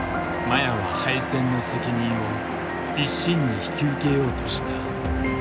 麻也は敗戦の責任を一身に引き受けようとした。